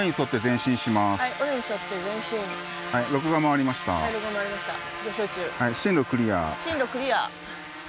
進路クリア。